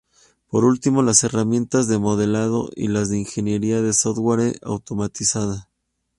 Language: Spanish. Por último, las herramientas de modelado y las de Ingeniería de Software Automatizada.